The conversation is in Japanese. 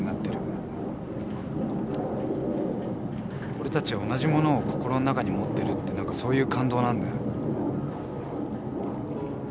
俺たちは同じものを心の中に持ってるってなんかそういう感動なんだよ。